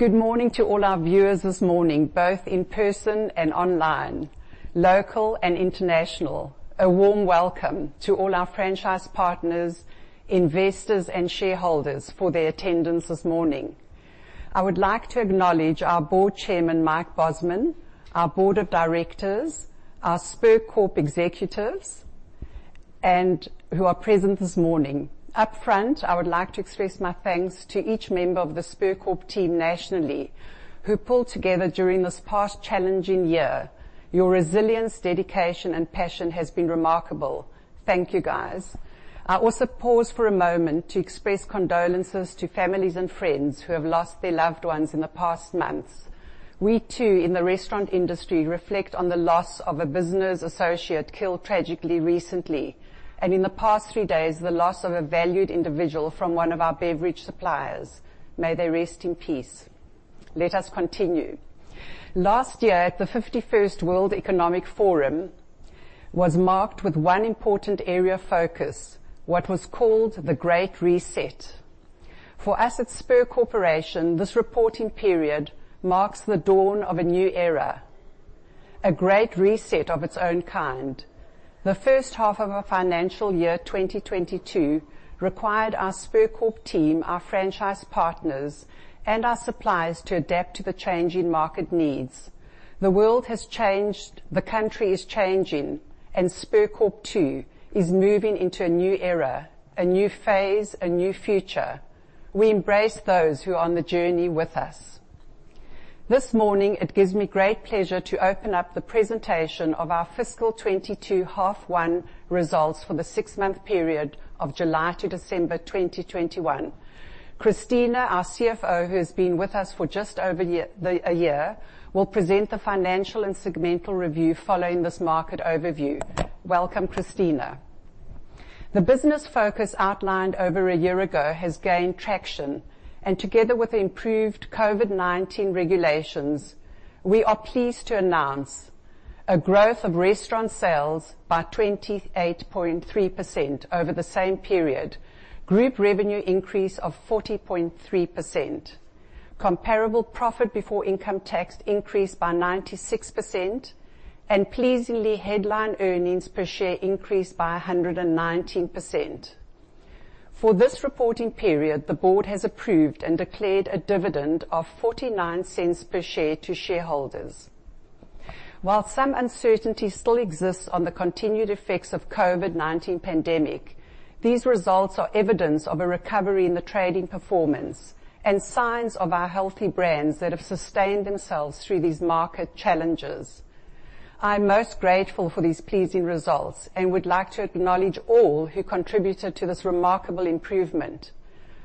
Good morning to all our viewers this morning, both in person and online, local and international. A warm welcome to all our franchise partners, investors, and shareholders for their attendance this morning. I would like to acknowledge our Board Chairman, Mike Bosman, our Board of Directors, our Spur Corp Executives and who are present this morning. Up front, I would like to express my thanks to each member of the Spur Corp team nationally who pulled together during this past challenging year. Your resilience, dedication, and passion has been remarkable. Thank you, guys. I also pause for a moment to express condolences to families and friends who have lost their loved ones in the past months. We, too, in the restaurant industry, reflect on the loss of a business associate killed tragically recently, and in the past three days, the loss of a valued individual from one of our beverage suppliers. May they rest in peace. Let us continue. Last year, at the 51st World Economic Forum, was marked with one important area of focus, what was called the Great Reset. For us at Spur Corporation, this reporting period marks the dawn of a new era, a great reset of its own kind. The first half of our financial year, 2022, required our Spur Corp team, our franchise partners, and our suppliers to adapt to the changing market needs. The world has changed, the country is changing, and Spur Corp, too, is moving into a new era, a new phase, a new future. We embrace those who are on the journey with us. This morning, it gives me great pleasure to open up the presentation of our fiscal 2022 half one results for the six-month period of July to December 2021. Cristina, our CFO, who has been with us for just over a year, will present the financial and segmental review following this market overview. Welcome, Cristina. The business focus outlined over a year ago has gained traction, and together with improved COVID-19 regulations, we are pleased to announce a growth of restaurant sales by 28.3% over the same period. Group revenue increase of 40.3%. Comparable profit before income tax increased by 96%, and pleasingly, headline earnings per share increased by 119%. For this reporting period, the board has approved and declared a dividend of 0.49 per share to shareholders. While some uncertainty still exists on the continued effects of COVID-19 pandemic, these results are evidence of a recovery in the trading performance and signs of our healthy brands that have sustained themselves through these market challenges. I'm most grateful for these pleasing results and would like to acknowledge all who contributed to this remarkable improvement,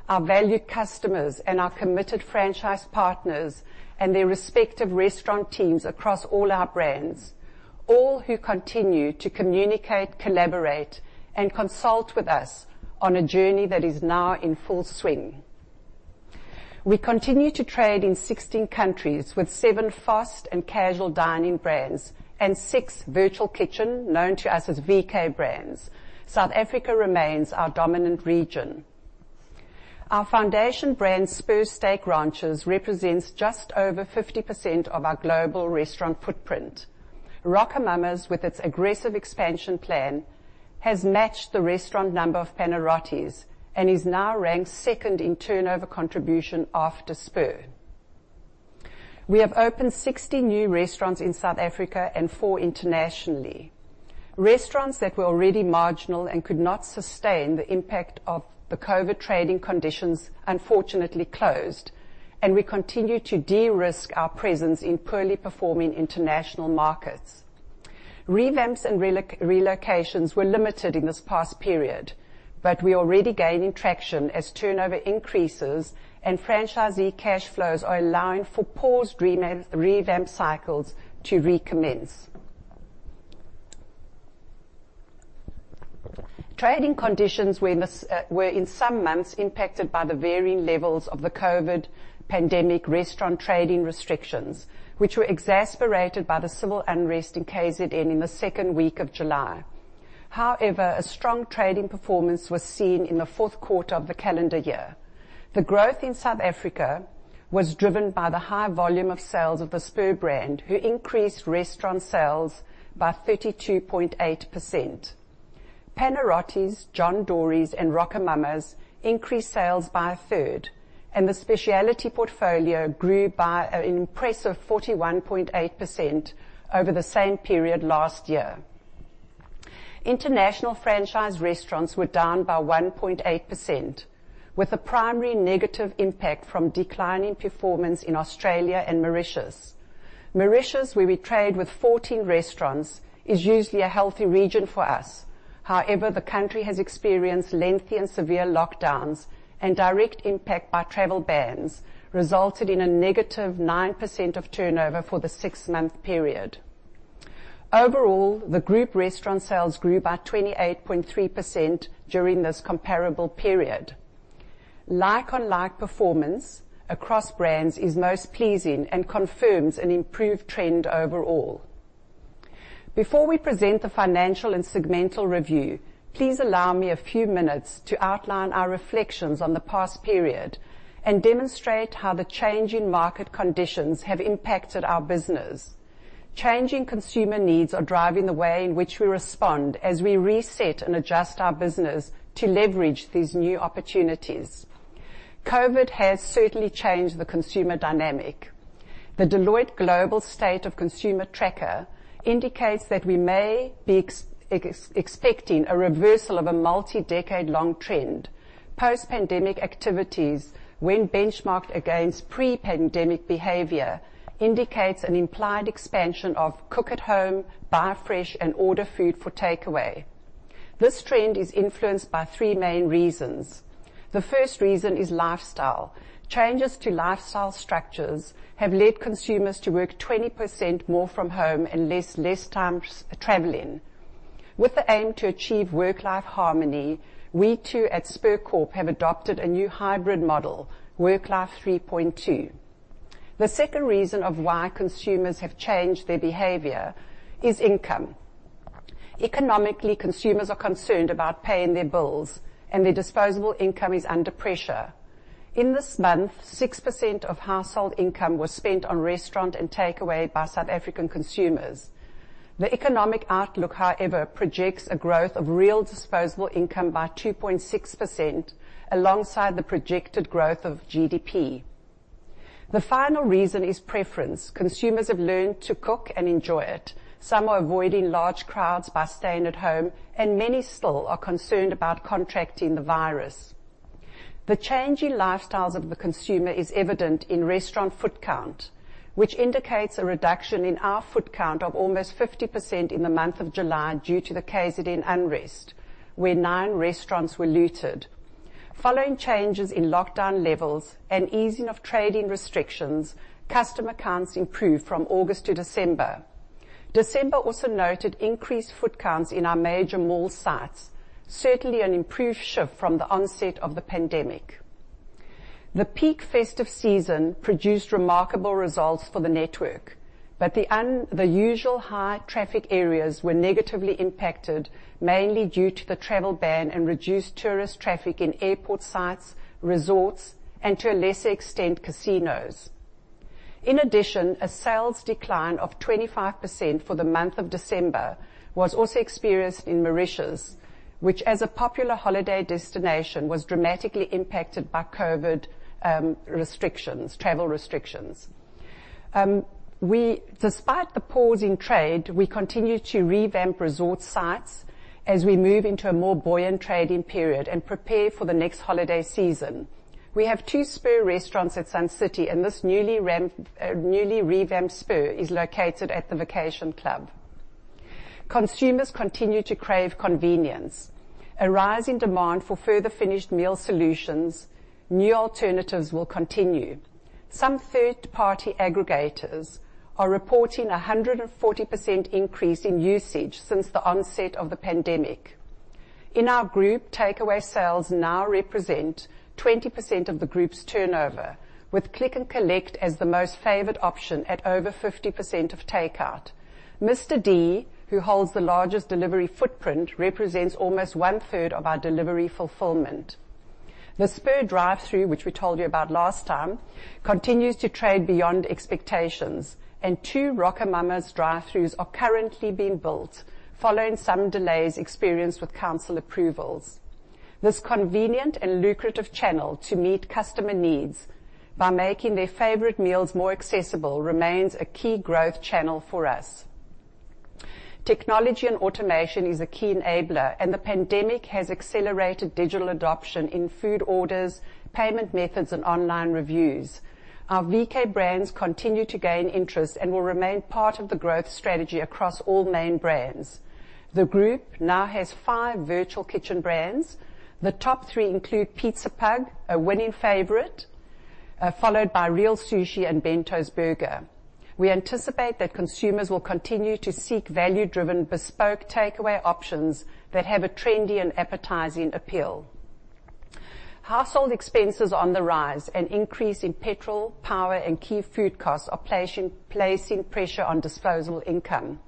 our valued customers and our committed franchise partners and their respective restaurant teams across all our brands, all who continue to communicate, collaborate, and consult with us on a journey that is now in full swing. We continue to trade in 16 countries with seven fast and casual dining brands and six virtual kitchens, known to us as VK brands. South Africa remains our dominant region. Our foundation brand, Spur Steak Ranches, represents just over 50% of our global restaurant footprint. RocoMamas, with its aggressive expansion plan, has matched the restaurant number of Panarottis and is now ranked second in turnover contribution after Spur. We have opened 60 new restaurants in South Africa and four internationally. Restaurants that were already marginal and could not sustain the impact of the COVID trading conditions unfortunately closed, and we continue to de-risk our presence in poorly performing international markets. Revamps and relocations were limited in this past period, but we are already gaining traction as turnover increases and franchisee cash flows are allowing for paused revamp cycles to recommence. Trading conditions were in some months impacted by the varying levels of the COVID pandemic restaurant trading restrictions, which were exacerbated by the civil unrest in KZN in the second week of July. However, a strong trading performance was seen in the Q4 of the calendar year. The growth in South Africa was driven by the high volume of sales of the Spur brand, who increased restaurant sales by 32.8%. Panarottis, John Dory's, and RocoMamas increased sales by a third, and the specialty portfolio grew by an impressive 41.8% over the same period last year. International franchise restaurants were down by 1.8%, with the primary negative impact from declining performance in Australia and Mauritius. Mauritius, where we trade with 14 restaurants, is usually a healthy region for us. However, the country has experienced lengthy and severe lockdowns, and direct impact by travel bans resulted in a negative 9% of turnover for the six-month period. Overall, the group restaurant sales grew by 28.3% during this comparable period. Like-for-like performance across brands is most pleasing and confirms an improved trend overall. Before we present the financial and segmental review, please allow me a few minutes to outline our reflections on the past period and demonstrate how the change in market conditions have impacted our business. Changing consumer needs are driving the way in which we respond, as we reset and adjust our business to leverage these new opportunities. COVID has certainly changed the consumer dynamic. The Deloitte Global State of the Consumer Tracker indicates that we may be expecting a reversal of a multi-decade long trend. Post-pandemic activities, when benchmarked against pre-pandemic behavior, indicates an implied expansion of cook at home, buy fresh, and order food for takeaway. This trend is influenced by three main reasons. The first reason is lifestyle. Changes to lifestyle structures have led consumers to work 20% more from home and less time traveling. With the aim to achieve work/life harmony, we, too, at Spur Corp have adopted a new hybrid model, Work Life 3.2. The second reason why consumers have changed their behavior is income. Economically, consumers are concerned about paying their bills, and their disposable income is under pressure. In this month, 6% of household income was spent on restaurant and takeaway by South African consumers. The economic outlook, however, projects a growth of real disposable income by 2.6% alongside the projected growth of GDP. The final reason is preference. Consumers have learned to cook and enjoy it. Some are avoiding large crowds by staying at home, and many still are concerned about contracting the virus. The changing lifestyles of the consumer is evident in restaurant foot count, which indicates a reduction in our foot count of almost 50% in the month of July due to the KZN unrest, where nine restaurants were looted. Following changes in lockdown levels and easing of trade and restrictions, customer counts improved from August to December. December also noted increased foot counts in our major mall sites, certainly an improved shift from the onset of the pandemic. The peak festive season produced remarkable results for the network, but the usual high traffic areas were negatively impacted, mainly due to the travel ban and reduced tourist traffic in airport sites, resorts, and to a lesser extent, casinos. In addition, a sales decline of 25% for the month of December was also experienced in Mauritius, which as a popular holiday destination, was dramatically impacted by COVID restrictions, travel restrictions. Despite the pause in trade, we continue to revamp resort sites as we move into a more buoyant trading period and prepare for the next holiday season. We have two Spur restaurants at Sun City, and this newly revamped Spur is located at the vacation club. Consumers continue to crave convenience. A rise in demand for further finished meal solutions, new alternatives will continue. Some third-party aggregators are reporting a 140% increase in usage since the onset of the pandemic. In our group, takeaway sales now represent 20% of the group's turnover, with click and collect as the most favored option at over 50% of takeout. Mr D, who holds the largest delivery footprint, represents almost one-third of our delivery fulfillment. The Spur drive-through, which we told you about last time, continues to trade beyond expectations, and two RocoMamas drive-throughs are currently being built following some delays experienced with council approvals. This convenient and lucrative channel to meet customer needs by making their favorite meals more accessible remains a key growth channel for us. Technology and automation is a key enabler, and the pandemic has accelerated digital adoption in food orders, payment methods, and online reviews. Our VK brands continue to gain interest and will remain part of the growth strategy across all main brands. The group now has five virtual kitchen brands. The top three include Pizza Pug, a winning favorite, followed by Reel Sushi and Bento. We anticipate that consumers will continue to seek value-driven, bespoke takeaway options that have a trendy and appetizing appeal. Household expenses are on the rise. An increase in petrol, power, and key food costs are placing pressure on disposable income.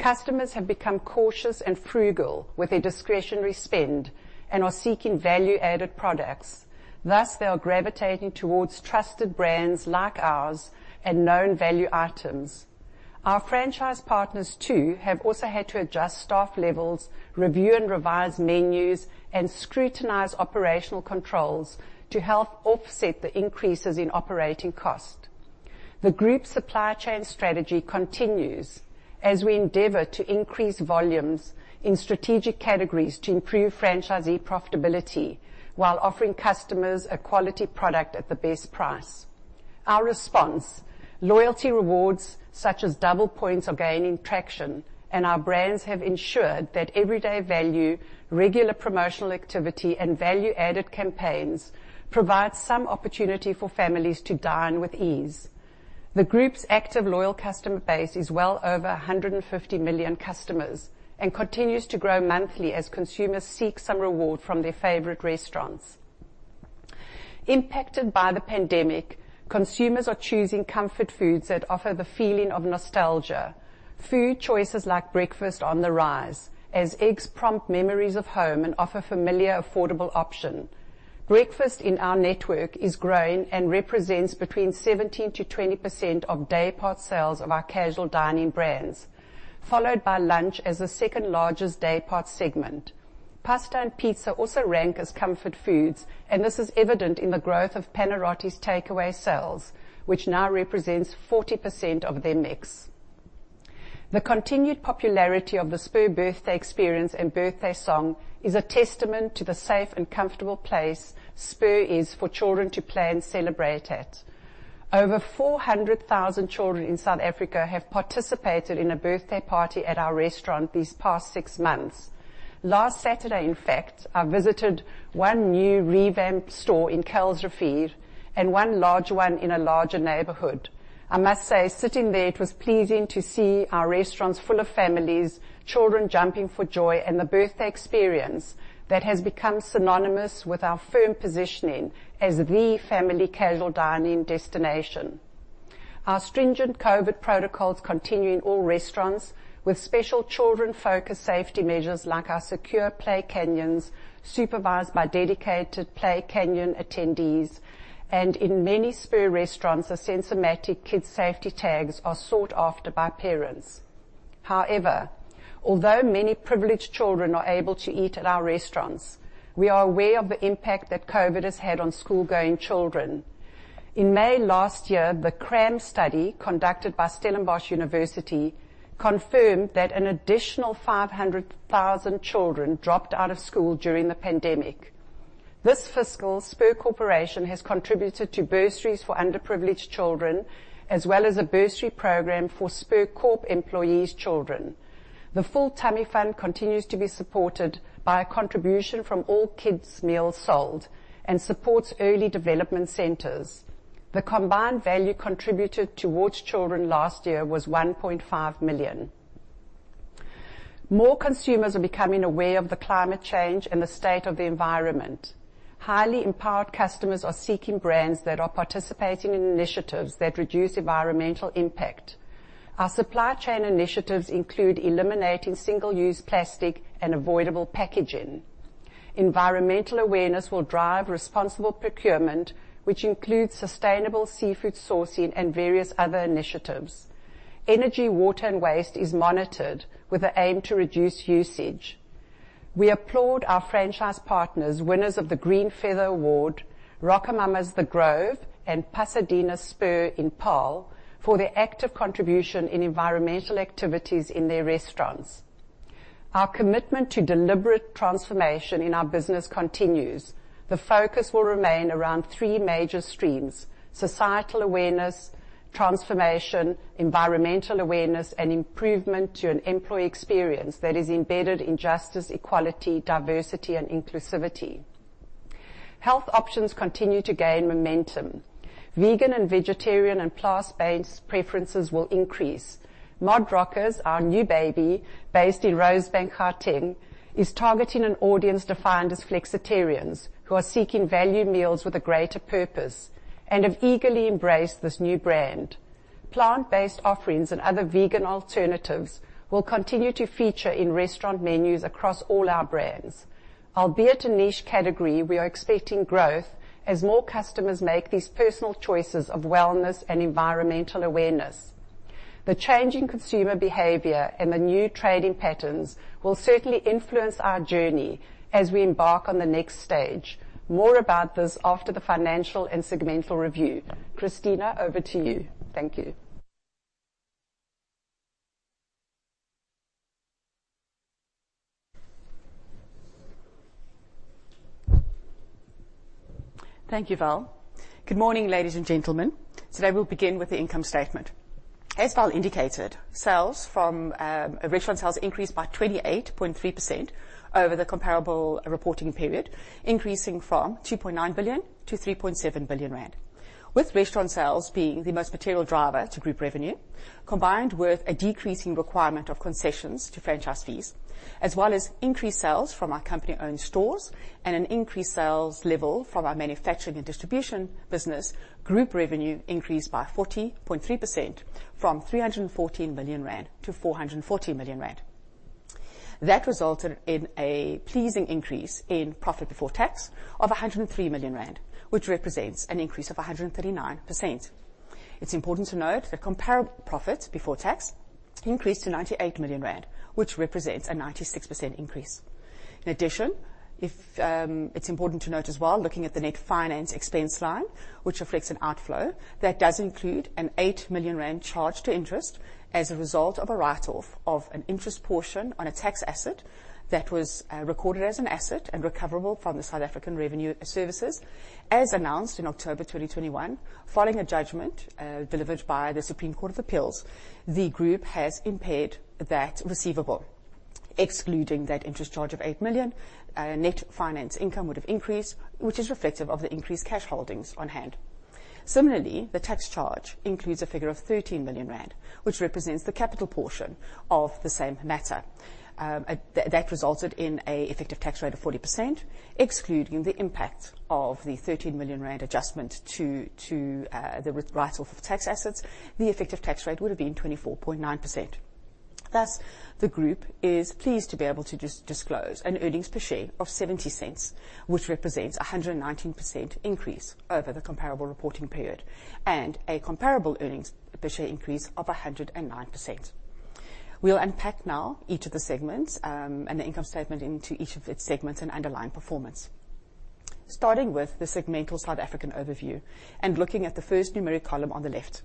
Customers have become cautious and frugal with their discretionary spend and are seeking value-added products. Thus, they are gravitating towards trusted brands like ours and known value items. Our franchise partners, too, have also had to adjust staff levels, review and revise menus, and scrutinize operational controls to help offset the increases in operating cost. The group supply chain strategy continues as we endeavor to increase volumes in strategic categories to improve franchisee profitability while offering customers a quality product at the best price. Our response: loyalty rewards such as double points are gaining traction, and our brands have ensured that everyday value, regular promotional activity, and value-added campaigns provide some opportunity for families to dine with ease. The group's active loyal customer base is well over 150 million customers and continues to grow monthly as consumers seek some reward from their favorite restaurants. Impacted by the pandemic, consumers are choosing comfort foods that offer the feeling of nostalgia. Food choices like breakfast on the rise, as eggs prompt memories of home and offer familiar, affordable option. Breakfast in our network is growing and represents between 17%-20% of day part sales of our casual dining brands, followed by lunch as the second largest day part segment. Pasta and pizza also rank as comfort foods, and this is evident in the growth of Panarottis's takeaway sales, which now represents 40% of their mix. The continued popularity of the Spur birthday experience and birthday song is a testament to the safe and comfortable place Spur is for children to play and celebrate at. Over 400,000 children in South Africa have participated in a birthday party at our restaurant these past six months. Last Saturday, in fact, I visited one new revamped store in Klerksdorp and one large one in a larger neighborhood. I must say, sitting there, it was pleasing to see our restaurants full of families, children jumping for joy, and the birthday experience that has become synonymous with our firm positioning as the family casual dining destination. Our stringent COVID protocols continue in all restaurants, with special children-focused safety measures like our secure play canyons, supervised by dedicated play canyon attendees. In many Spur restaurants, the Sensormatic kid safety tags are sought after by parents. However, although many privileged children are able to eat at our restaurants, we are aware of the impact that COVID has had on schoolgoing children. In May last year, the CRAM study, conducted by Stellenbosch University, confirmed that an additional 500,000 children dropped out of school during the pandemic. This fiscal, Spur Corporation has contributed to bursaries for underprivileged children, as well as a bursary program for Spur Corp employees' children. The Full Tummy Fund continues to be supported by a contribution from all kids' meals sold and supports early development centers. The combined value contributed towards children last year was 1.5 million. More consumers are becoming aware of the climate change and the state of the environment. Highly empowered customers are seeking brands that are participating in initiatives that reduce environmental impact. Our supply chain initiatives include eliminating single-use plastic and avoidable packaging. Environmental awareness will drive responsible procurement, which includes sustainable seafood sourcing and various other initiatives. Energy, water, and waste is monitored with the aim to reduce usage. We applaud our franchise partners, winners of the Green Feather Award, RocoMamas The Grove, and Pasadena Spur in Paarl, for their active contribution in environmental activities in their restaurants. Our commitment to deliberate transformation in our business continues. The focus will remain around three major streams, societal awareness, transformation, environmental awareness, and improvement to an employee experience that is embedded in justice, equality, diversity, and inclusivity. Health options continue to gain momentum. Vegan and vegetarian and plant-based preferences will increase. ModRockers, our new baby, based in Rosebank, Gauteng, is targeting an audience defined as flexitarians, who are seeking value meals with a greater purpose and have eagerly embraced this new brand. Plant-based offerings and other vegan alternatives will continue to feature in restaurant menus across all our brands. Albeit a niche category, we are expecting growth as more customers make these personal choices of wellness and environmental awareness. The change in consumer behavior and the new trading patterns will certainly influence our journey as we embark on the next stage. More about this after the financial and segmental review. Cristina, over to you. Thank you. Thank you, Val. Good morning, ladies and gentlemen. Today we'll begin with the income statement. As Val indicated, sales from restaurant sales increased by 28.3% over the comparable reporting period, increasing from 2.9 billion-3.7 billion rand. With restaurant sales being the most material driver to group revenue, combined with a decreasing requirement of concessions to franchise fees, as well as increased sales from our company-owned stores and an increased sales level from our manufacturing and distribution business, group revenue increased by 40.3% from 314 million-414 million rand. That resulted in a pleasing increase in profit before tax of 103 million rand, which represents an increase of 139%. It's important to note that comparable profit before tax increased to 98 million rand, which represents a 96% increase. In addition, it's important to note as well, looking at the net finance expense line, which reflects an outflow, that does include a 8 million rand charge to interest as a result of a write-off of an interest portion on a tax asset that was recorded as an asset and recoverable from the South African Revenue Service. As announced in October 2021, following a judgment delivered by the Supreme Court of Appeal, the group has impaired that receivable. Excluding that interest charge of 8 million, net finance income would have increased, which is reflective of the increased cash holdings on hand. Similarly, the tax charge includes a figure of 13 million rand, which represents the capital portion of the same matter. That resulted in an effective tax rate of 40%. Excluding the impact of the 13 million rand adjustment to the write-off of tax assets, the effective tax rate would have been 24.9%. Thus, the group is pleased to be able to disclose an earnings per share of 0.70, which represents a 119% increase over the comparable reporting period, and a comparable earnings per share increase of 109%. We'll unpack now each of the segments and the income statement into each of its segments and underlying performance. Starting with the segmental South African overview and looking at the first numeric column on the left.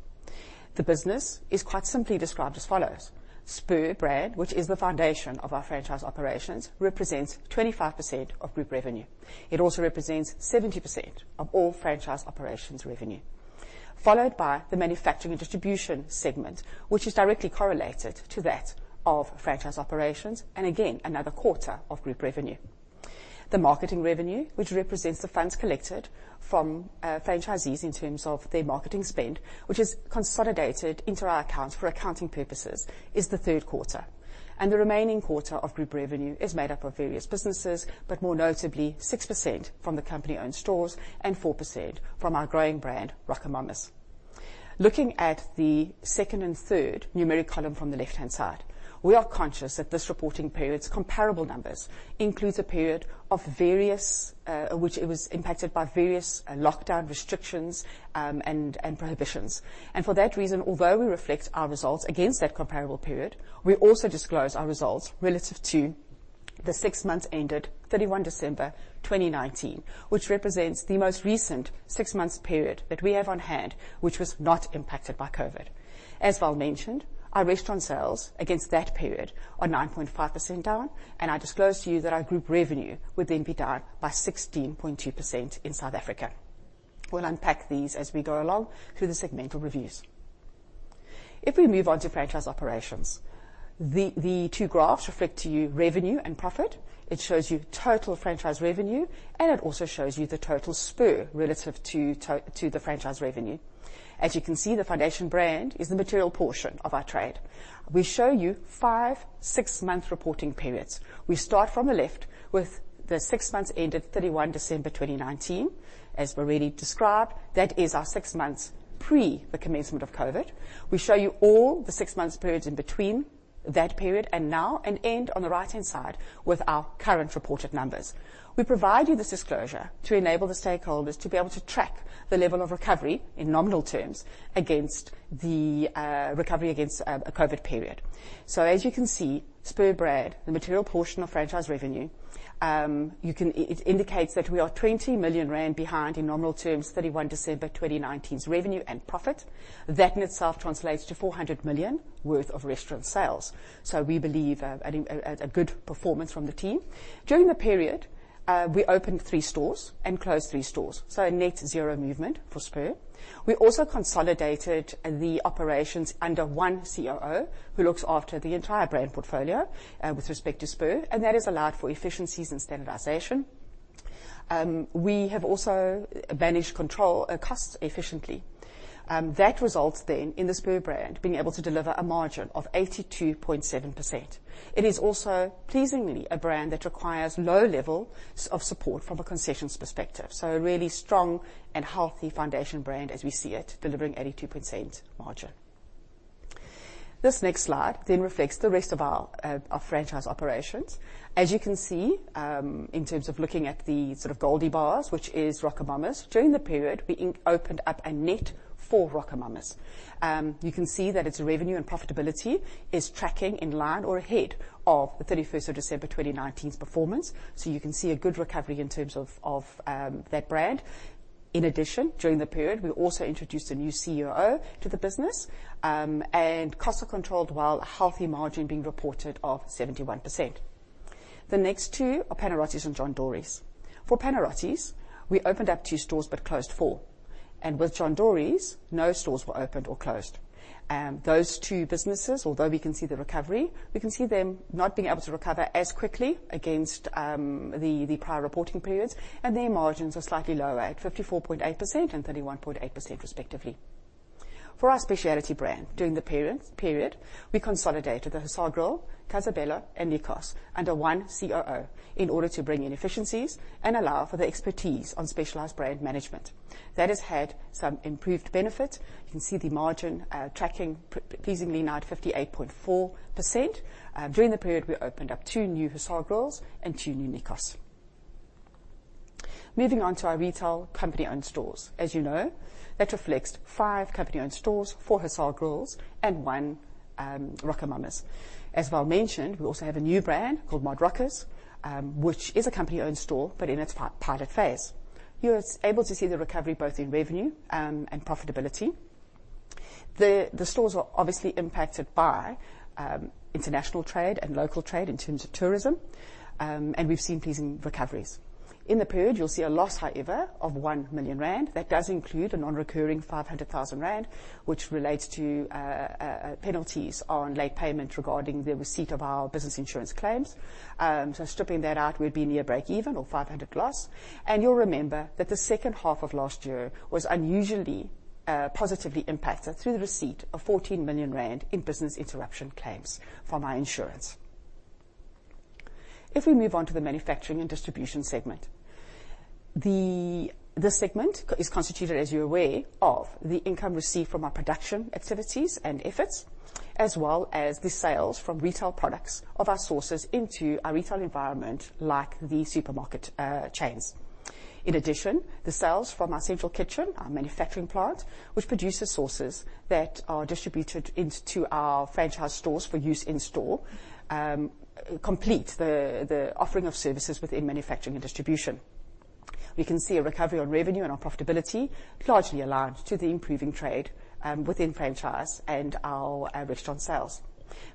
The business is quite simply described as follows: Spur brand, which is the foundation of our franchise operations, represents 25% of group revenue. It also represents 70% of all franchise operations revenue. Followed by the manufacturing and distribution segment, which is directly correlated to that of franchise operations, and again, another quarter of group revenue. The marketing revenue, which represents the funds collected from franchisees in terms of their marketing spend, which is consolidated into our accounts for accounting purposes, is the Q3, and the remaining quarter of group revenue is made up of various businesses, but more notably, 6% from the company-owned stores and 4% from our growing brand, RocoMamas. Looking at the second and third numeric column from the left-hand side, we are conscious that this reporting period's comparable numbers includes a period which it was impacted by various lockdown restrictions and prohibitions. For that reason, although we reflect our results against that comparable period, we also disclose our results relative to the six months ended 31 December 2019, which represents the most recent six months period that we have on hand, which was not impacted by COVID. As Val mentioned, our restaurant sales against that period are 9.5% down, and I disclose to you that our group revenue would then be down by 16.2% in South Africa. We'll unpack these as we go along through the segmental reviews. If we move on to franchise operations, the two graphs reflect to you revenue and profit. It shows you total franchise revenue, and it also shows you the total Spur relative to the franchise revenue. As you can see, the foundation brand is the material portion of our trade. We show you five six-month reporting periods. We start from the left with the six months ended 31 December 2019. As we already described, that is our six months pre the commencement of COVID. We show you all the six months periods in between that period and now, and end on the right-hand side with our current reported numbers. We provide you this disclosure to enable the stakeholders to be able to track the level of recovery in nominal terms against the recovery against a COVID period. As you can see, Spur brand, the material portion of franchise revenue, it indicates that we are 20 million rand behind in nominal terms, 31 December 2019's revenue and profit. That in itself translates to 400 million worth of restaurant sales. We believe a good performance from the team. During the period, we opened three stores and closed three stores, so a net zero movement for Spur. We also consolidated the operations under one COO who looks after the entire brand portfolio, with respect to Spur, and that has allowed for efficiencies and standardization. We have also managed to control costs efficiently. That results in the Spur brand being able to deliver a margin of 82.7%. It is also pleasingly a brand that requires low levels of support from a concessions perspective. A really strong and healthy foundation brand as we see it, delivering 82% margin. This next slide reflects the rest of our franchise operations. As you can see, in terms of looking at the sort of Goldie bars, which is RocoMamas, during the period, we opened a net four RocoMamas. You can see that its revenue and profitability is tracking in line or ahead of the 31st of December, 2019's performance. You can see a good recovery in terms of that brand. In addition, during the period, we also introduced a new COO to the business, and costs are controlled while a healthy margin being reported of 71%. The next two are Panarottis and John Dory's. For Panarottis, we opened up two stores, but closed four. With John Dory's, no stores were opened or closed. Those two businesses, although we can see the recovery, we can see them not being able to recover as quickly against the prior reporting periods, and their margins are slightly lower at 54.8% and 31.8% respectively. For our specialty brand, during the period, we consolidated the Hussar Grill, Casa Bella and Nikos under one COO in order to bring in efficiencies and allow for the expertise on specialized brand management. That has had some improved benefit. You can see the margin tracking pleasingly now at 58.4%. During the period, we opened up two new Hussar Grills and two new Nikos. Moving on to our retail company-owned stores. As you know, that reflects five company-owned stores, four Hussar Grills and one RocoMamas. As Val mentioned, we also have a new brand called MODROCKERS, which is a company-owned store, but in its pilot phase. You are able to see the recovery both in revenue and profitability. The stores are obviously impacted by international trade and local trade in terms of tourism, and we've seen pleasing recoveries. In the period, you'll see a loss, however, of 1 million rand. That does include a non-recurring 500,000 rand, which relates to penalties on late payment regarding the receipt of our business insurance claims. So stripping that out, we'd be near breakeven or 500,000 loss. You'll remember that the second half of last year was unusually positively impacted through the receipt of 14 million rand in business interruption claims from our insurance. If we move on to the manufacturing and distribution segment. This segment is constituted, as you're aware, of the income received from our production activities and efforts, as well as the sales from retail products of our sauces into our retail environment, like the supermarket chains. In addition, the sales from our central kitchen, our manufacturing plant, which produces sauces that are distributed into our franchise stores for use in store, complete the offering of services within manufacturing and distribution. We can see a recovery on revenue and our profitability, largely aligned to the improving trade within franchise and our restaurant sales.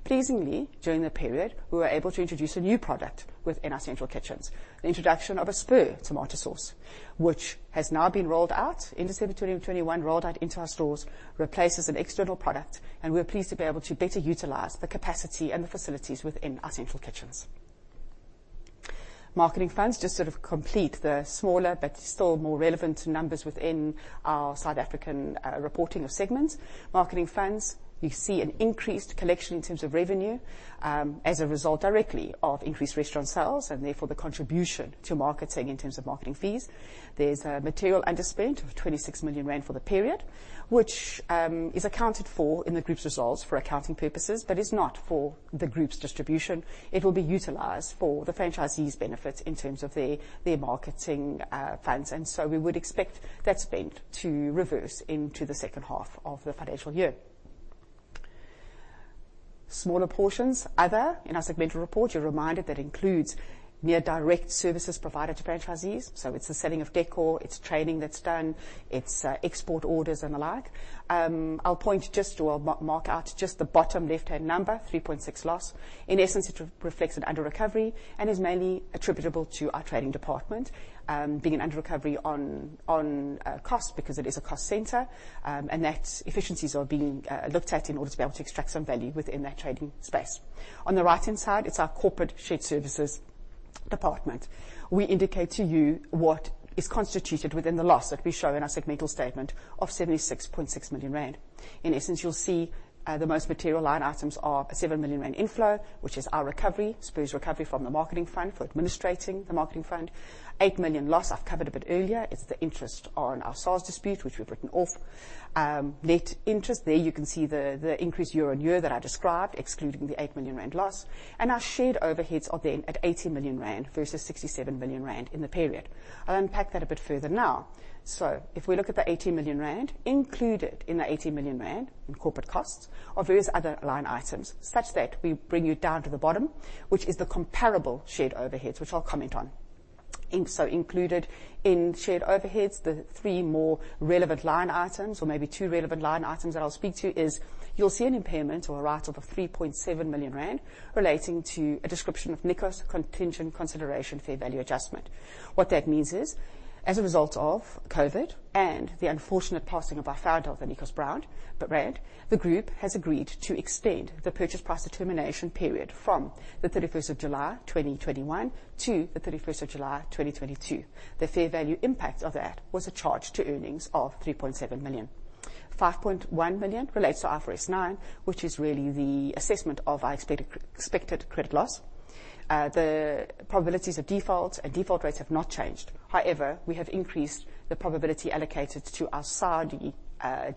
Pleasingly, during the period, we were able to introduce a new product within our central kitchens. The introduction of a Spur Tomato Sauce, which has now been rolled out. In December 2021, rolled out into our stores, replaces an external product, and we're pleased to be able to better utilize the capacity and the facilities within our central kitchens. Marketing funds just sort of complete the smaller but still more relevant numbers within our South African reporting of segments. Marketing funds, we see an increased collection in terms of revenue, as a result directly of increased restaurant sales and therefore the contribution to marketing in terms of marketing fees. There's a material underspend of 26 million rand for the period, which is accounted for in the group's results for accounting purposes, but is not for the group's distribution. It will be utilized for the franchisees benefits in terms of their marketing funds, and so we would expect that spend to reverse into the second half of the financial year. Smaller portions, other. In our segmental report, you're reminded that it includes indirect services provided to franchisees, so it's the selling of decor, it's training that's done, it's export orders and the like. I'll just point out the bottom left-hand number, 3.6 million loss. In essence, it reflects an underrecovery and is mainly attributable to our trading department being an underrecovery on cost because it is a cost center, and efficiencies are being looked at in order to be able to extract some value within that trading space. On the right-hand side, it's our corporate shared services department. We indicate to you what is constituted within the loss that we show in our segmental statement of 76.6 million rand. In essence, you'll see the most material line items are a 7 million rand inflow, which is our recovery, Spur's recovery from the marketing fund for administrating the marketing fund. Eight million loss, I've covered a bit earlier. It's the interest on our SARS dispute, which we've written off. Net interest. There you can see the increase year-on-year that I described, excluding the 8 million rand loss. Our shared overheads are then at 80 million rand versus 67 million rand in the period. I'll unpack that a bit further now. If we look at the 80 million rand, included in the 80 million rand in corporate costs are various other line items, such that we bring you down to the bottom, which is the comparable shared overheads, which I'll comment on. Included in shared overheads, the three more relevant line items or maybe two relevant line items that I'll speak to is you'll see an impairment or a write-off of 3.7 million rand relating to the Nikos contingent consideration fair value adjustment. What that means is, as a result of COVID and the unfortunate passing of our founder, Allen Ambor, the group has agreed to extend the purchase price determination period from the 31st of July 2021 to the 31st of July 2022. The fair value impact of that was a charge to earnings of 3.7 million. 5.1 million relates to IFRS 9, which is really the assessment of our expected credit loss. The probabilities of defaults and default rates have not changed. However, we have increased the probability allocated to our SARS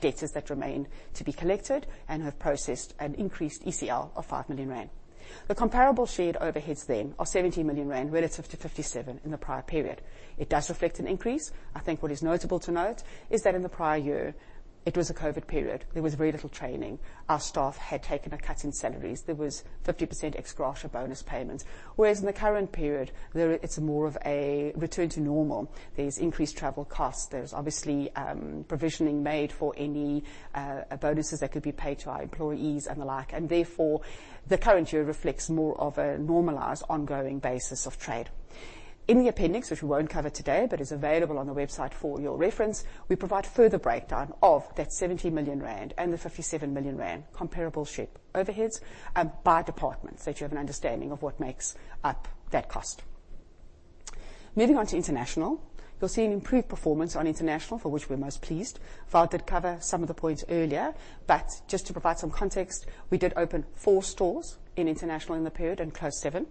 debtors that remain to be collected and have processed an increased ECL of 5 million rand. The comparable shared overheads then are 17 million rand relative to 57 million in the prior period. It does reflect an increase. I think what is notable to note is that in the prior year, it was a COVID period. There was very little training. Our staff had taken a cut in salaries. There was 50% ex gratia bonus payments. Whereas in the current period, there it's more of a return to normal. There's increased travel costs. There's obviously provisioning made for any bonuses that could be paid to our employees and the like. Therefore, the current year reflects more of a normalized ongoing basis of trade. In the appendix, which we won't cover today, but is available on the website for your reference, we provide further breakdown of that 70 million rand and the 57 million rand comparable shared overheads by departments, so that you have an understanding of what makes up that cost. Moving on to International. You'll see an improved performance on International for which we're most pleased. Val did cover some of the points earlier, but just to provide some context, we did open four stores in International in the period and closed seven.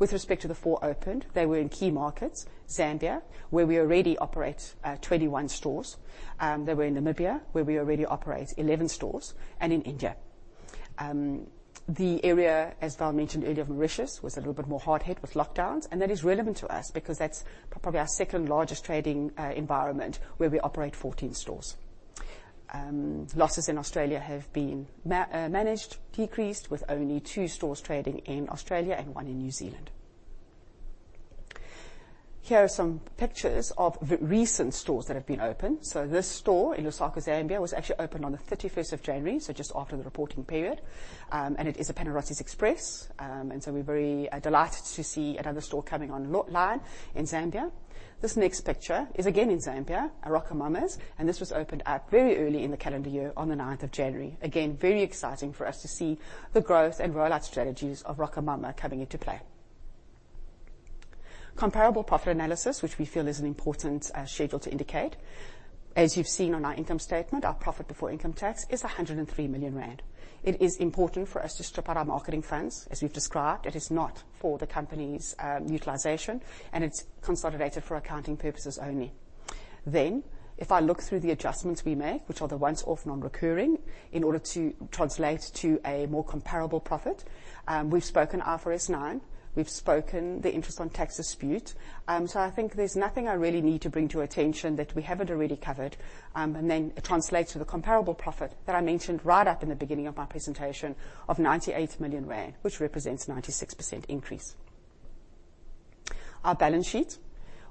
With respect to the four opened, they were in key markets, Zambia, where we already operate 21 stores. They were in Namibia, where we already operate 11 stores, and in India. The area, as Val mentioned earlier, of Mauritius, was a little bit more hard hit with lockdowns, and that is relevant to us because that's probably our second-largest trading environment, where we operate 14 stores. Losses in Australia have been managed, decreased, with only two stores trading in Australia and one in New Zealand. Here are some pictures of recent stores that have been opened. This store in Lusaka, Zambia, was actually opened on the thirty-first of January, so just after the reporting period. It is a Panarottis Express. We're very delighted to see another store coming online in Zambia. This next picture is again in Zambia, a RocoMamas, and this was opened up very early in the calendar year on the ninth of January. Again, very exciting for us to see the growth and rollout strategies of RocoMamas coming into play. Comparable profit analysis, which we feel is an important schedule to indicate. As you've seen on our income statement, our profit before income tax is 103 million rand. It is important for us to strip out our marketing funds. As we've described, it is not for the company's utilization, and it's consolidated for accounting purposes only. If I look through the adjustments we make, which are the once off non-recurring, in order to translate to a more comparable profit, we've spoken IFRS 9, we've spoken the interest on tax dispute. I think there's nothing I really need to bring to your attention that we haven't already covered. It translates to the comparable profit that I mentioned right up in the beginning of my presentation of 98 million rand, which represents a 96% increase. Our balance sheet.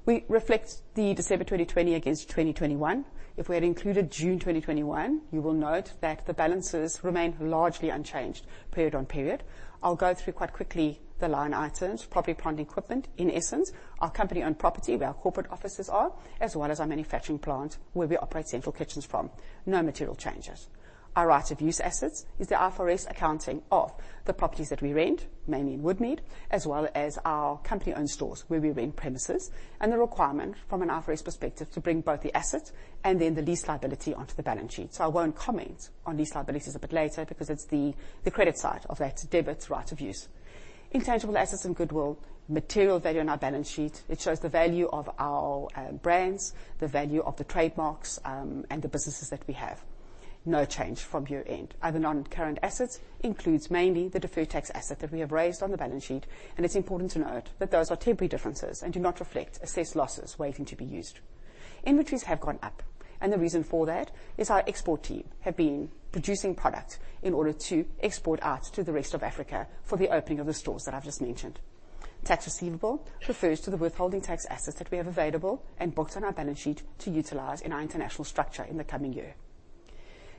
We reflect December 2020 against 2021. If we had included June 2021, you will note that the balances remain largely unchanged period-on-period. I'll go through quite quickly the line items. Property, plant, and equipment. In essence, our company-owned property, where our corporate offices are, as well as our manufacturing plant, where we operate central kitchens from. No material changes. Our right of use assets is the IFRS accounting of the properties that we rent, mainly in Woodmead, as well as our company-owned stores where we rent premises, and the requirement from an IFRS perspective to bring both the assets and then the lease liability onto the balance sheet. I won't comment on lease liabilities a bit later because it's the credit side of that debit right of use. Intangible assets and goodwill, material value on our balance sheet. It shows the value of our brands, the value of the trademarks, and the businesses that we have. No change from year-end. Other non-current assets includes mainly the deferred tax asset that we have raised on the balance sheet, and it's important to note that those are temporary differences and do not reflect assessed losses waiting to be used. Inventories have gone up, and the reason for that is our export team have been producing product in order to export out to the rest of Africa for the opening of the stores that I've just mentioned. Tax receivable refers to the withholding tax assets that we have available and booked on our balance sheet to utilize in our international structure in the coming year.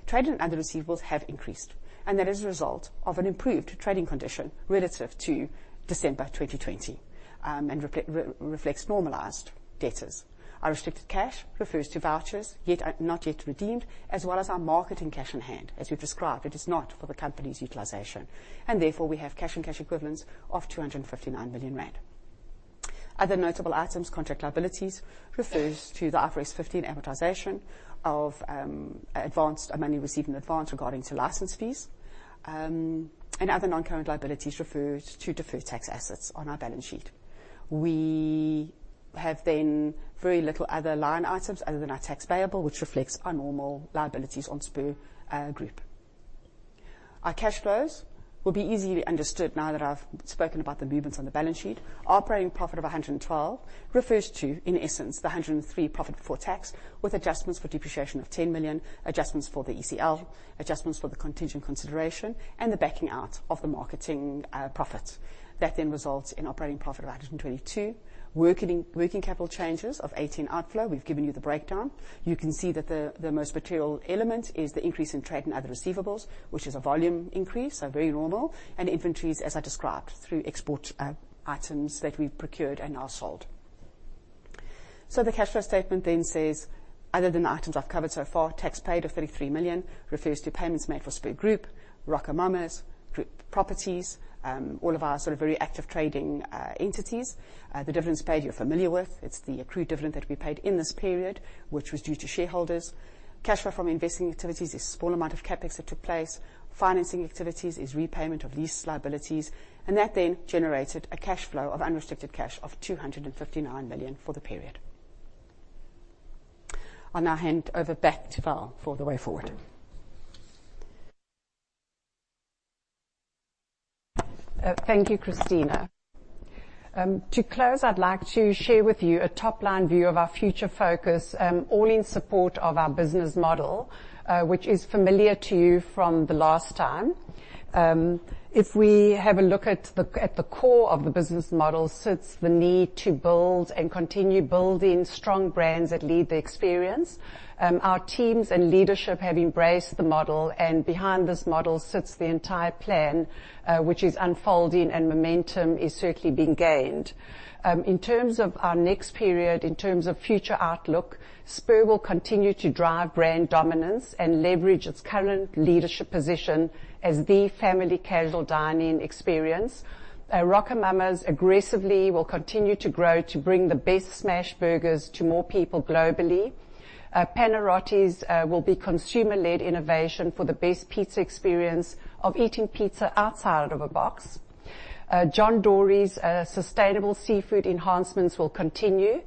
Trade and other receivables have increased, and that is a result of an improved trading condition relative to December 2020, and reflects normalized debtors. Our restricted cash refers to vouchers not yet redeemed, as well as our marketing cash on hand. As we've described, it is not for the company's utilization, and therefore we have cash and cash equivalents of 259 million rand. Other notable items, contract liabilities refers to the IFRS 15 amortization of advance money received in advance regarding license fees. Other non-current liabilities refers to deferred tax assets on our balance sheet. We have very little other line items other than our tax payable, which reflects our normal liabilities on Spur Group. Our cash flows will be easily understood now that I've spoken about the movements on the balance sheet. Operating profit of 112 refers to, in essence, the 103 profit before tax, with adjustments for depreciation of 10 million, adjustments for the ECL, adjustments for the contingent consideration, and the backing out of the marketing profit. That results in operating profit of 122. Working capital changes of 18 outflow. We've given you the breakdown. You can see that the most material element is the increase in trade and other receivables, which is a volume increase, so very normal, and inventories, as I described, through export items that we've procured and now sold. The cash flow statement then says, other than the items I've covered so far, tax paid of 33 million refers to payments made for Spur Group, RocoMamas, group properties, all of our sort of very active trading entities. The dividends paid you're familiar with. It's the accrued dividend that we paid in this period, which was due to shareholders. Cash flow from investing activities is a small amount of CapEx that took place. Financing activities is repayment of lease liabilities, and that then generated a cash flow of unrestricted cash of 259 million for the period. I'll now hand over back to Val for the way forward. Thank you, Cristina. To close, I'd like to share with you a top-line view of our future focus, all in support of our business model, which is familiar to you from the last time. If we have a look at the core of the business model sits the need to build and continue building strong brands that lead the experience. Our teams and leadership have embraced the model, and behind this model sits the entire plan, which is unfolding, and momentum is certainly being gained. In terms of our next period, in terms of future outlook, Spur will continue to drive brand dominance and leverage its current leadership position as the family casual dining experience. RocoMamas aggressively will continue to grow to bring the best smash burgers to more people globally. Panarottis will be consumer-led innovation for the best pizza experience of eating pizza outside of a box. John Dory's sustainable seafood enhancements will continue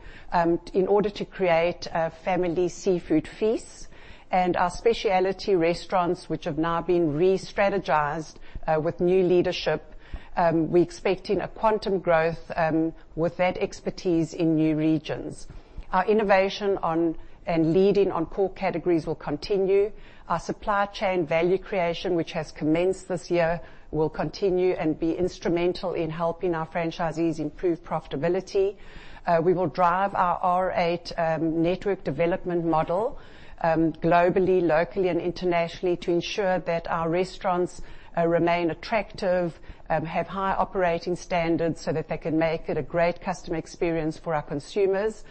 in order to create family seafood feasts. Our specialty restaurants, which have now been re-strategized with new leadership, we're expecting a quantum growth with that expertise in new regions. Our innovation on and leading on core categories will continue. Our supply chain value creation, which has commenced this year, will continue and be instrumental in helping our franchisees improve profitability. We will drive our R8 network development model globally, locally, and internationally, to ensure that our restaurants remain attractive, have high operating standards so that they can make it a great customer experience for our consumers.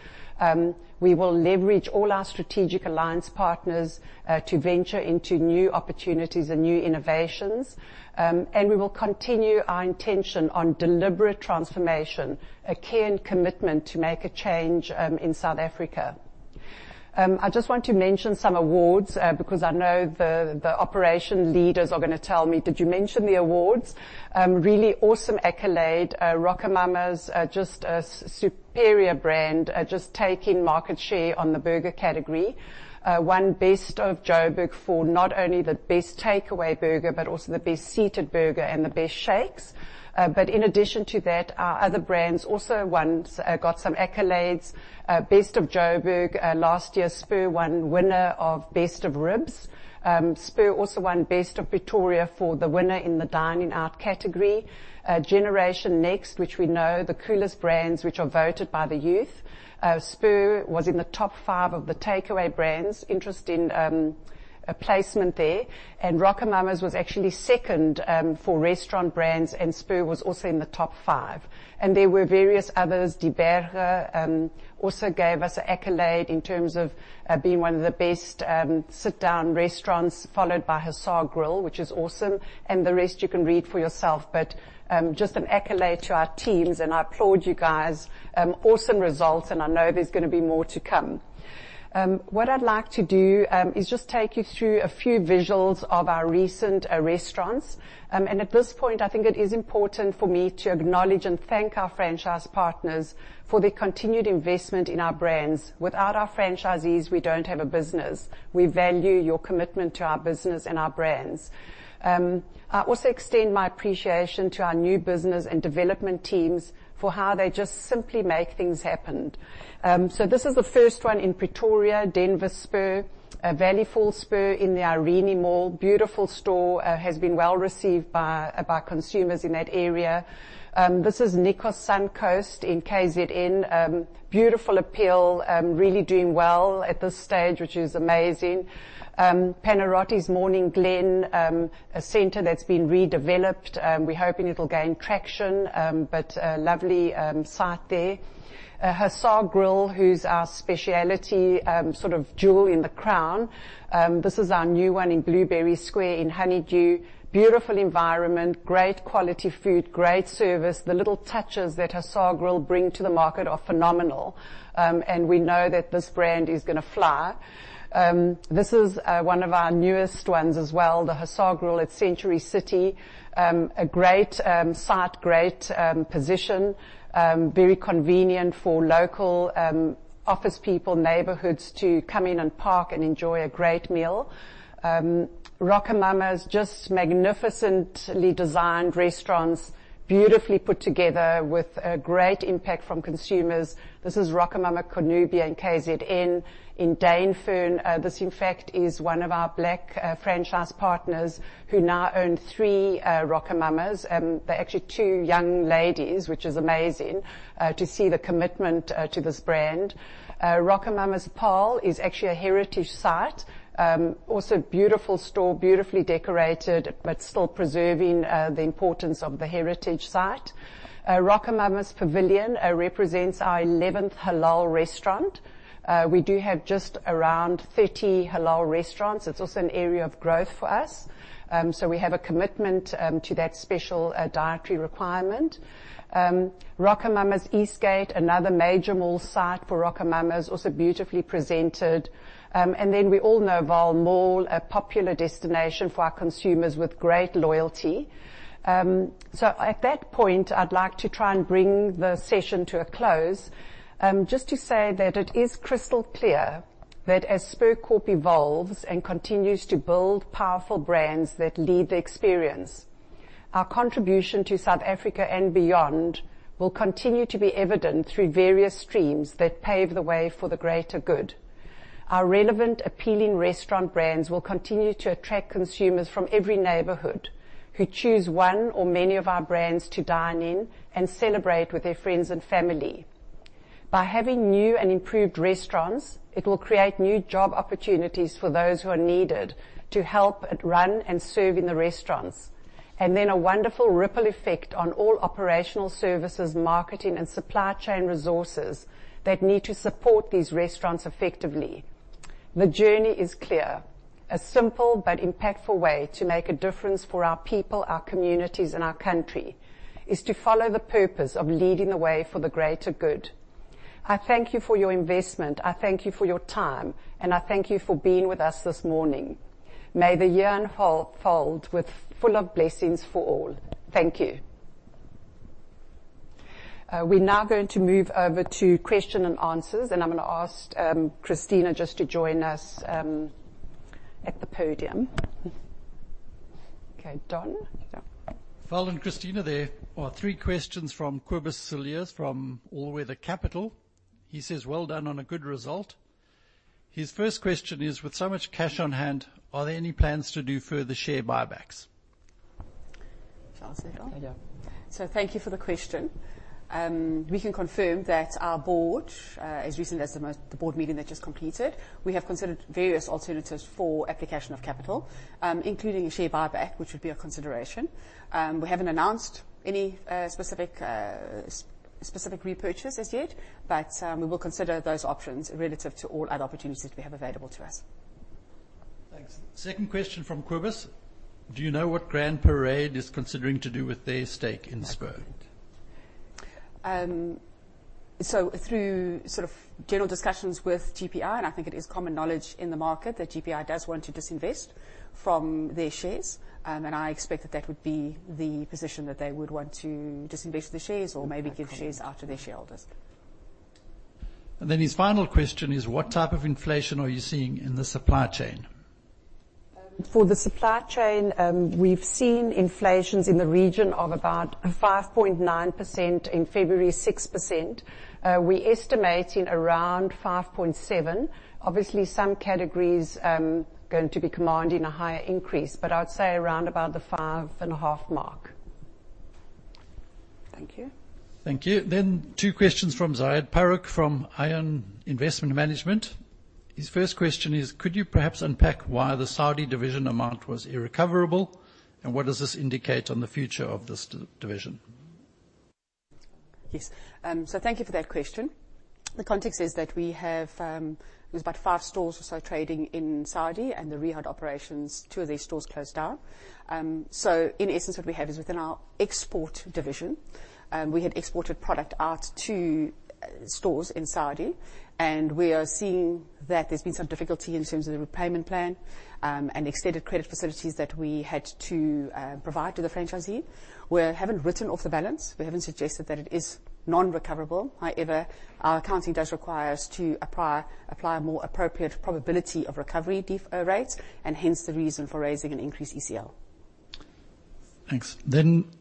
We will leverage all our strategic alliance partners to venture into new opportunities and new innovations. We will continue our intention on deliberate transformation, a key and commitment to make a change in South Africa. I just want to mention some awards because I know the operation leaders are gonna tell me, "Did you mention the awards?" Really awesome accolade. RocoMamas just a superior brand just taking market share on the burger category. Won Best of Joburg for not only the best takeaway burger, but also the best seated burger and the best shakes. In addition to that, our other brands also got some accolades. Best of Joburg last year, Spur winner of Best of Ribs. Spur also won Best of Pretoria for the winner in the dine-in out category. GenNext, which we know the coolest brands, which are voted by the youth, Spur was in the top five of the takeaway brands. Interesting placement there. RocoMamas was actually second for restaurant brands, and Spur was also in the top five. There were various others. Die Burger also gave us an accolade in terms of being one of the best sit-down restaurants, followed by Hussar Grill, which is awesome. The rest you can read for yourself. Just an accolade to our teams and I applaud you guys. Awesome results and I know there's gonna be more to come. What I'd like to do is just take you through a few visuals of our recent restaurants. At this point, I think it is important for me to acknowledge and thank our franchise partners for their continued investment in our brands. Without our franchisees, we don't have a business. We value your commitment to our business and our brands. I also extend my appreciation to our new business and development teams for how they just simply make things happen. This is the first one in Pretoria, Denver Spur. Valley Falls Spur in the Irene Mall. Beautiful store. Has been well-received by consumers in that area. This is Nikos Suncoast in KZN. Beautiful appeal, really doing well at this stage, which is amazing. Panarottis Morning Glen, a center that's been redeveloped, we're hoping it'll gain traction, but a lovely site there. Hussar Grill, who's our specialty, sort of jewel in the crown. This is our new one in Blueberry Square in Honeydew. Beautiful environment, great quality food, great service. The little touches that Hussar Grill bring to the market are phenomenal, and we know that this brand is gonna fly. This is one of our newest ones as well, the Hussar Grill at Century City. A great site, great position. Very convenient for local office people, neighborhoods to come in and park and enjoy a great meal. RocoMamas, just magnificently designed restaurants, beautifully put together with a great impact from consumers. This is RocoMamas Cornubia in KZN in Dainfern. This in fact is one of our Black franchise partners who now own three RocoMamas. They're actually two young ladies, which is amazing to see the commitment to this brand. RocoMamas Paarl is actually a heritage site, also a beautiful store, beautifully decorated, but still preserving the importance of the heritage site. RocoMamas Pavilion represents our 11th halal restaurant. We do have just around 30 halal restaurants. It's also an area of growth for us, so we have a commitment to that special dietary requirement. RocoMamas Eastgate, another major mall site for RocoMamas, also beautifully presented. We all know Vaal Mall, a popular destination for our consumers with great loyalty. At that point, I'd like to try and bring the session to a close. Just to say that it is crystal clear that as Spur Corp evolves and continues to build powerful brands that lead the experience, our contribution to South Africa and beyond will continue to be evident through various streams that pave the way for the greater good. Our relevant, appealing restaurant brands will continue to attract consumers from every neighborhood who choose one or many of our brands to dine in and celebrate with their friends and family. By having new and improved restaurants, it will create new job opportunities for those who are needed to help run and serve in the restaurants. A wonderful ripple effect on all operational services, marketing and supply chain resources that need to support these restaurants effectively. The journey is clear. A simple but impactful way to make a difference for our people, our communities, and our country is to follow the purpose of leading the way for the greater good. I thank you for your investment, I thank you for your time, and I thank you for being with us this morning. May the year unfold with full of blessings for all. Thank you. We're now going to move over to question and answers, and I'm gonna ask, Cristina just to join us, at the podium. Okay, Don. Yeah. Val and Christina, there are three questions from Kobus Cilliers from Avior Capital Markets. He says, "Well done on a good result." His first question is, "With so much cash on hand, are there any plans to do further share buybacks? Shall I answer that? Yeah. Thank you for the question. We can confirm that our board, as recently as the board meeting that just completed, we have considered various alternatives for application of capital, including a share buyback, which would be a consideration. We haven't announced any specific repurchase as yet, but we will consider those options relative to all other opportunities we have available to us. Thanks. Second question from Kobus Cilliers: "Do you know what Grand Parade Investments is considering to do with their stake in Spur? Through sort of general discussions with GPI, and I think it is common knowledge in the market that GPI does want to disinvest from their shares, and I expect that would be the position that they would want to disinvest the shares or maybe give shares out to their shareholders. His final question is what type of inflation are you seeing in the supply chain? For the supply chain, we've seen inflation in the region of about 5.9% in February, 6%. We estimate in around 5.7%. Obviously, some categories going to be commanding a higher increase, but I would say around about the 5.5% mark. Thank you. Thank you. Two questions from Zaid Paruk from AEON Investment Management. His first question is could you perhaps unpack why the Saudi division amount was irrecoverable, and what does this indicate on the future of this division? Yes. Thank you for that question. The context is that there's about five stores also trading in Saudi and the Riyadh operations. Two of these stores closed down. In essence, what we have is within our export division, and we had exported product out to stores in Saudi, and we are seeing that there's been some difficulty in terms of the repayment plan and extended credit facilities that we had to provide to the franchisee. We haven't written off the balance. We haven't suggested that it is non-recoverable. However, our accounting does require us to apply more appropriate probability of recovery default rates, and hence the reason for raising an increased ECL. Thanks.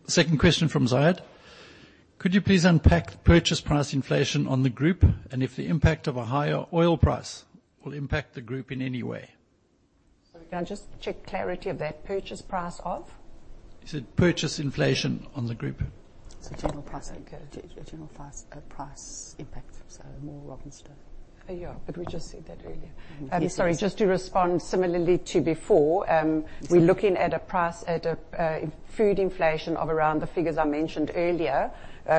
Second question from Zaid. Could you please unpack the purchase price inflation on the group and if the impact of a higher oil price will impact the group in any way? Sorry, can I just check clarity of that? Purchase price of? He said purchasing inflation on the group. It's a general price impact, so more raw material. Yeah, we just said that earlier. Yes. Sorry, just to respond similarly to before, we're looking at pricing at a food inflation of around the figures I mentioned earlier,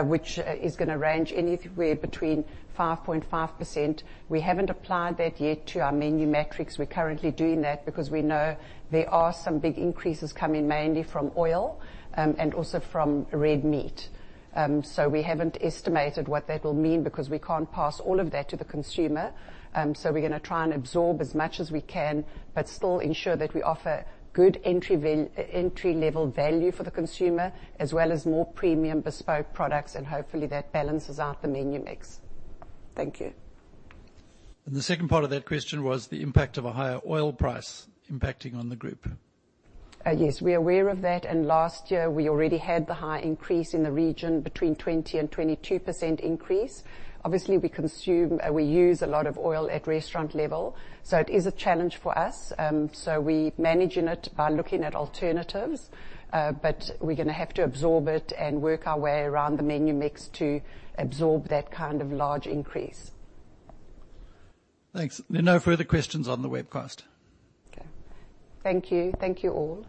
which is gonna range anywhere between 5.5%. We haven't applied that yet to our menu metrics. We're currently doing that because we know there are some big increases coming mainly from oil, and also from red meat. We haven't estimated what that will mean because we can't pass all of that to the consumer, so we're gonna try and absorb as much as we can, but still ensure that we offer good entry level value for the consumer as well as more premium bespoke products, and hopefully, that balances out the menu mix. Thank you. The second part of that question was the impact of a higher oil price impacting on the group. Yes, we are aware of that, and last year, we already had the high increase in the region between 20%-22% increase. Obviously, we consume and we use a lot of oil at restaurant level, so it is a challenge for us. We managing it by looking at alternatives, but we're gonna have to absorb it and work our way around the menu mix to absorb that kind of large increase. Thanks. There are no further questions on the webcast. Okay. Thank you. Thank you all.